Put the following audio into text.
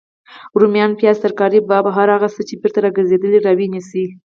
روميان، پیاز، ترکاري باب او هر هغه څه چی بیرته راګرځیدلي راونیسئ